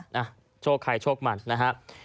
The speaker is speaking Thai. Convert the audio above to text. นะโชคใครโชคมันนะฮะ